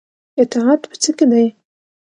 اطاعت په څه کې دی؟